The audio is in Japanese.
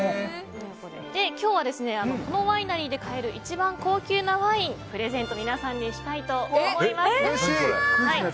今日はこのワイナリーで買える一番高級なワイン、皆さんにプレゼントしたいと思います。